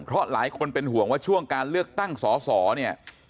เพราะหลายคนเป็นห่วงว่าช่วงการเลือกตั้งสอสอเนี่ย